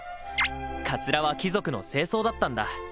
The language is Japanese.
かつらは貴族の正装だったんだ。